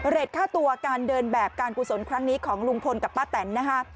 ค่าตัวการเดินแบบการกุศลครั้งนี้ของลุงพลกับป้าแตนนะคะ